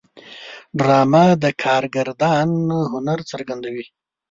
ډرامه د کارگردان هنر څرګندوي